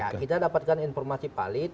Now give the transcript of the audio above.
ya kita dapatkan informasi palit